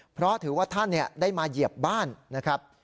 เพราะถือว่าท่านได้มาเหยียบบ้านนะครับ